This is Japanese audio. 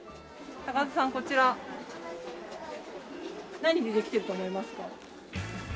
高田さんこちら何でできてると思いますか？